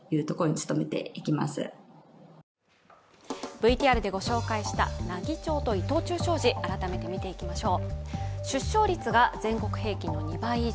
ＶＴＲでご紹介した奈義町と伊藤忠商事改めて見ていきましょう。